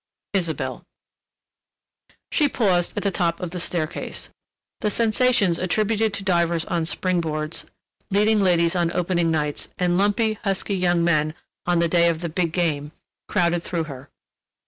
ISABELLE She paused at the top of the staircase. The sensations attributed to divers on spring boards, leading ladies on opening nights, and lumpy, husky young men on the day of the Big Game, crowded through her.